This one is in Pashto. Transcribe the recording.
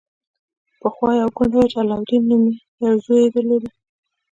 پخوا یوه کونډه وه چې علاوالدین نومې یو زوی یې درلود.